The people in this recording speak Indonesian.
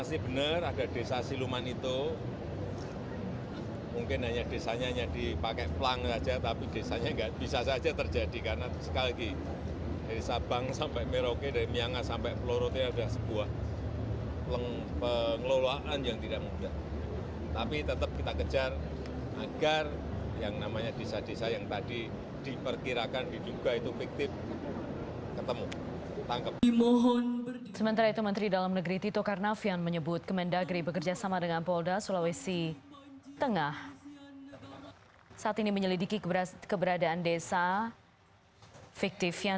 sementara itu menteri dalam negeri tito karnavian menyebut kemendagri bekerjasama dengan polda sulawesi tengah saat ini menyelidiki keberadaan desa fiktif